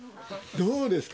どうですか？